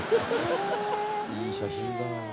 いい写真だ。